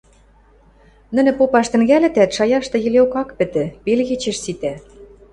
Нӹнӹ попаш тӹнгӓлӹтӓт, шаяшты йӹлеок ак пӹтӹ, пел кечеш ситӓ.